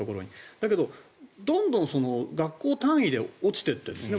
だけど、どんどん学校単位で落ちていっているんですね。